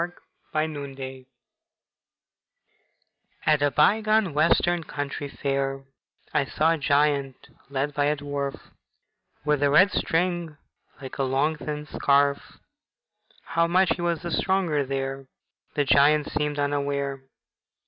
AT A COUNTRY FAIR At a bygone Western country fair I saw a giant led by a dwarf With a red string like a long thin scarf; How much he was the stronger there The giant seemed unaware.